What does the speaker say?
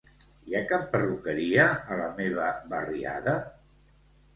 Hi ha cap perruqueria a la meva barriada?